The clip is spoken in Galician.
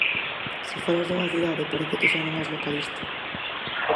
Se falas dunha cidade parece que xa non es localista.